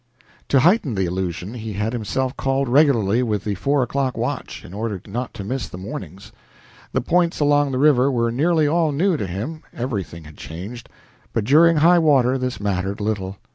To heighten the illusion he had himself called regularly with the four o'clock watch, in order not to miss the mornings. The points along the river were nearly all new to him, everything had changed, but during high water this mattered little.